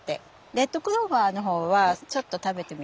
レッドクローバーの方はちょっと食べてみますか？